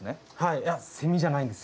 いやセミじゃないんですよ。